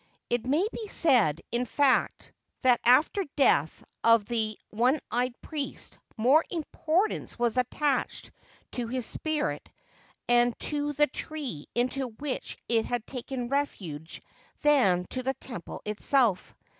It may be said, in fact, that after the death of the one eyed priest more importance was attached to his spirit and to the tree into which it had taken refuge than to the temple itself.